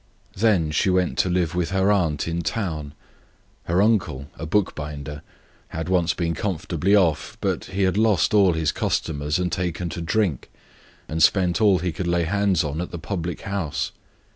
Then Katusha went to live with her aunt in town. The aunt's husband, a bookbinder, had once been comfortably off, but had lost all his customers, and had taken to drink, and spent all he could lay hands on at the public house.